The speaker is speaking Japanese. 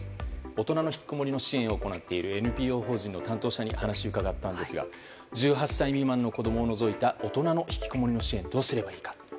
大人のひきこもりの支援を行っているＮＰＯ法人の担当者に話を伺ったんですが１８歳未満の子供を除いた大人のひきこもりの支援をどうすればいいか。